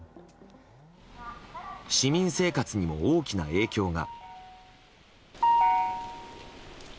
市民生活にも大きな影響が。